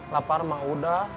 lapar mah udah